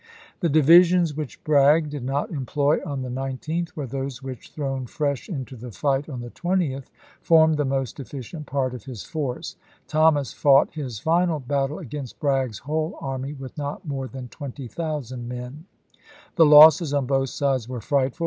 The divisions which Bragg did not employ on the Sept., im. 19th were those which, thrown fresh into the fight on the 20th, formed the most efficient part of his Xl^^rS"™,^' force. Thomas fought his final battle against berian™" Bragg's whole army with not more than twenty p^sei'.' thousand men. The losses on both sides were frightful.